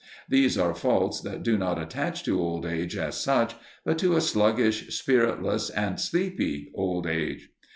These are faults that do not attach to old age as such, but to a sluggish, spiritless, and sleepy old age.